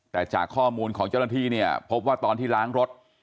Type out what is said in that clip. แต่จากข้อมูลของเจ้าหน้าที่เนี่ยพบว่าตอนที่ล้างรถ